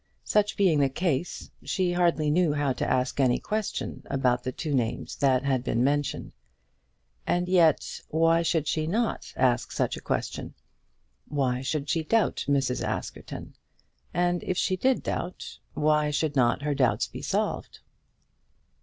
Such being the case, she hardly knew how to ask any question about the two names that had been mentioned. And yet, why should she not ask such a question? Why should she doubt Mrs. Askerton? And if she did doubt, why should not her doubts be solved?